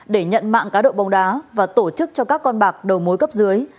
để nhận mạng cá độ bóng đá và tổ chức cho các con bạc đầu mối cấp dưới